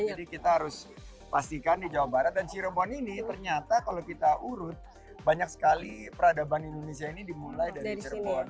kita harus pastikan di jawa barat dan cirebon ini ternyata kalau kita urut banyak sekali peradaban indonesia ini dimulai dari cirebon